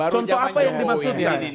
contoh apa yang dimaksudnya